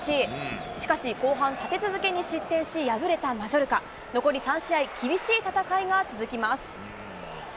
しかし後半、立て続けに失点し、敗れたマジョルカ、残り３試合、厳しい戦いが続きます。